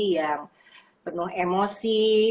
yang penuh emosi